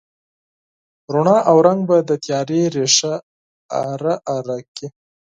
رڼا او رنګ به د تیارې ریښې اره، اره کړي